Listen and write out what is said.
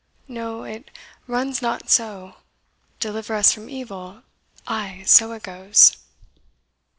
No, it runs not so deliver us from evil ay, so it goes."